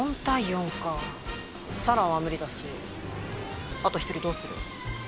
四朗は無理だしあと１人どうする？